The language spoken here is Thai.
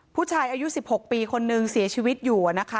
ผู้ชายอายุ๑๖ปีคนนึงเสียชีวิตอยู่นะคะ